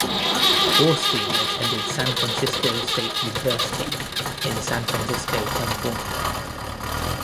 Borstein attended San Francisco State University in San Francisco, California.